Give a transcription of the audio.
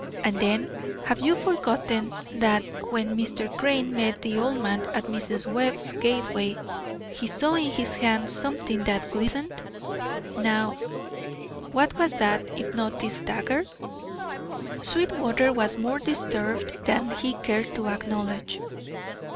And then, have you forgotten that when Mr. Crane met the old man at Mrs. Webb's gateway he saw in his hand something that glistened? Now what was that, if not this dagger?" Sweetwater was more disturbed than he cared to acknowledge.